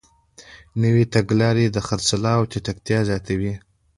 نوې تګلارې د خرڅلاو چټکتیا زیاتوي.